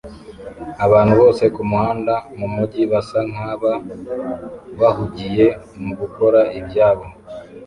Abantu bose kumuhanda mumujyi basa nkaba bahugiye mu gukora ibyabo